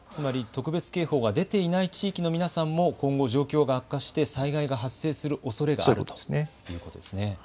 特別警報が出ていない地域の皆さんも今後状況が悪化して災害が発生するおそれがあるということですね。